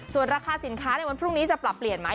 ส่วนราคาสินค้าในวันพรุ่งนี้จะปรับเปลี่ยนไหม